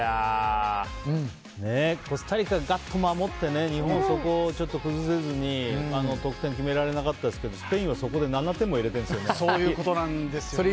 コスタリカ、がっと守って日本はそこをちょっと崩せずに得点が決められなかったですけどスペインはそこで７点も入れてるんですよね。